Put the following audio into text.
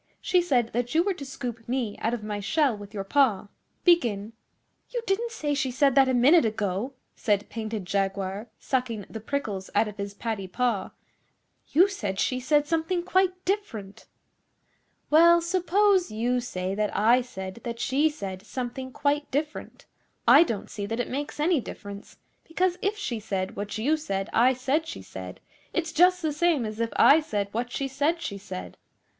She said that you were to scoop me out of my shell with your paw. Begin.' 'You didn't say she said that a minute ago, said Painted Jaguar, sucking the prickles out of his paddy paw. 'You said she said something quite different.' 'Well, suppose you say that I said that she said something quite different, I don't see that it makes any difference; because if she said what you said I said she said, it's just the same as if I said what she said she said.